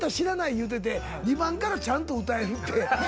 言うてて２番からちゃんと歌えるって。